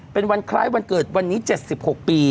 เป็นวันคล้ายวันเกิดวันนี้๗๖ปี